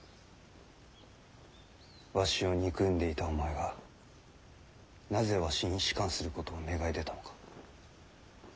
わしを憎んでいたお前がなぜわしに仕官することを願い出たのか。